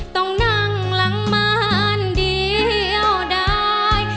ต้องนั่งหลังม่านเดียวได้